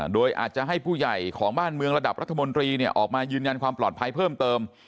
โดยอาจจะให้ผู้ใหญ่ของบ้านเมืองระดับรัฐมนตรีออกมายืนยันความปลอดภัยเพิ่มเติม